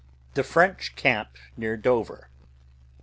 The French camp near Dover.